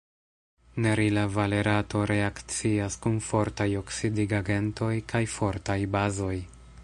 Nerila valerato reakcias kun fortaj oksidigagentoj kaj fortaj bazoj.